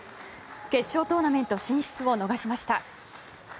決勝トーナメント進出を逃しました。